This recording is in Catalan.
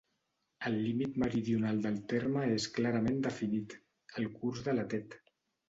El límit meridional del terme és clarament definit: el curs de la Tet.